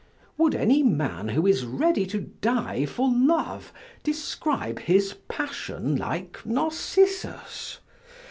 Would any man who is ready to die for love describe his passion like Narcissus?